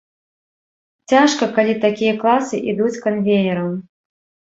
Цяжка, калі такія класы ідуць канвеерам.